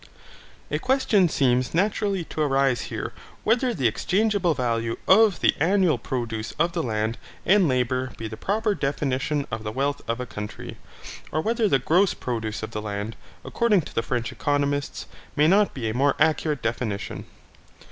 A question seems naturally to arise here whether the exchangeable value of the annual produce of the land and labour be the proper definition of the wealth of a country, or whether the gross produce of the land, according to the French economists, may not be a more accurate definition.